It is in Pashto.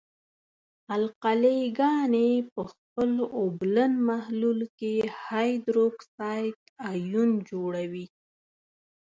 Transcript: القلې ګاني په خپل اوبلن محلول کې هایدروکساید آیون جوړوي.